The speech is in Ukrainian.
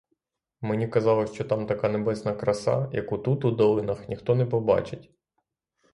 Мені казали, що там така небесна краса, яку тут у долинах ніхто не побачить.